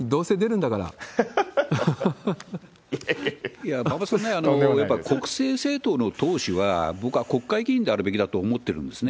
いや、馬場さんね、やっぱり国政政党の党首は、僕は国会議員であるべきだと思ってるんですね。